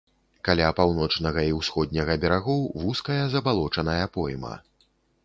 Каля паўночнага і ўсходняга берагоў вузкая забалочаная пойма.